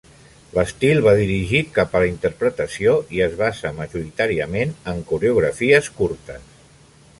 L'estil va dirigit cap a la interpretació i es basa majoritàriament en coreografies curtes.